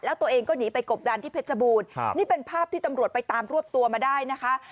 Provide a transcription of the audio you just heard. แล้วตัวเองก็หนีไปกบดันที่เพชรบูรณ์นี่เป็นภาพที่ตำรวจไปตามรวบตัวมาได้นะคะ